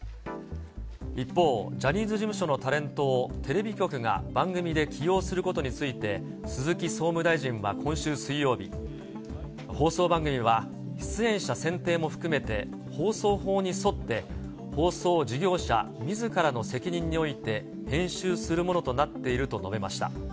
一方、ジャニーズ事務所のタレントをテレビ局が番組で起用することについて、鈴木総務大臣は今週水曜日、放送番組は出演者選定も含めて、放送法に沿って放送事業者みずからの責任において編集するものとなっていると述べました。